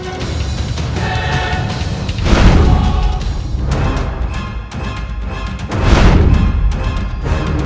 sekarang pak mas